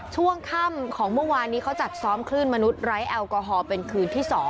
ช่วงค่ำของเมื่อวานนี้เขาจัดซ้อมคลื่นมนุษย์ไร้แอลกอฮอลเป็นคืนที่๒